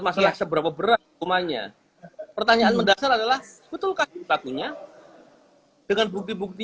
masalah seberapa berat umumnya pertanyaan mendasar adalah betulkah itu takutnya dengan bukti bukti